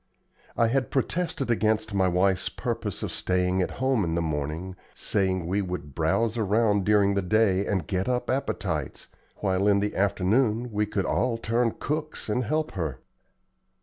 I had protested against my wife's purpose of staying at home in the morning, saying we would "browse around during the day and get up appetites, while in the afternoon we could all turn cooks and help her."